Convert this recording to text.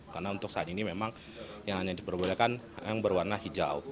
karena untuk saat ini memang yang hanya diperbolehkan yang berwarna hijau